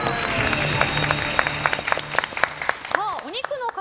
お肉の塊